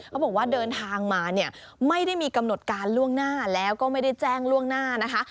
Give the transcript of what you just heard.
บอกว่าเดินทางมาเนี่ยไม่ได้มีกำหนดการล่วงหน้าแล้วก็ไม่ได้แจ้งล่วงหน้านะคะ